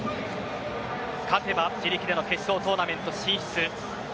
勝てば自力での決勝トーナメント進出。